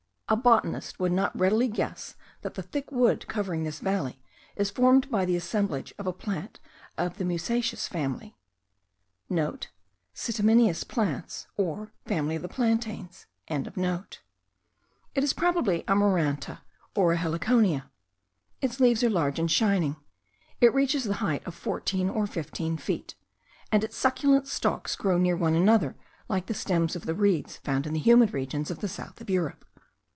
A botanist would not readily guess that the thick wood covering this valley is formed by the assemblage of a plant of the musaceous family.* (*Scitamineous plants, or family of the plantains.) It is probably a maranta, or a heliconia; its leaves are large and shining; it reaches the height of fourteen or fifteen feet, and its succulent stalks grow near one another like the stems of the reeds found in the humid regions of the south of Europe.